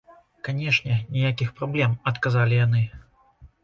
Канечне, ніякіх праблем, адказалі яны.